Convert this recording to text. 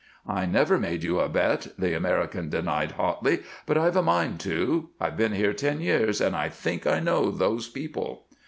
"I never made you a bet," the American denied, hotly. "But I've a mind to. I've been here ten years, and I think I know those people."